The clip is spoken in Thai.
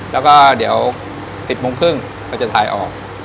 แล้วก็เดี๋ยว๑๐โมงครึ่งก็จะถ่ายออก